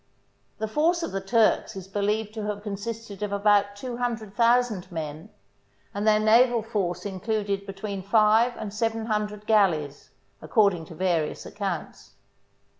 The force of the Turks is believed to have con sisted of about two hundred thousand men, and their naval force included between five and seven hundred galleys, according to various accounts.